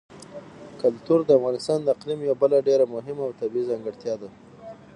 کلتور د افغانستان د اقلیم یوه بله ډېره مهمه او طبیعي ځانګړتیا ده.